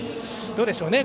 どうでしょうね